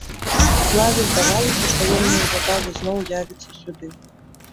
Клаве здавалася, што ён неўзабаве зноў явіцца сюды.